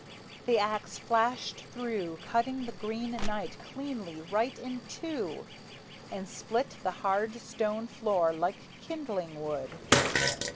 The axe flashed through, Cutting the Green Knight cleanly right in two, And split the hard stone floor like kindling wood.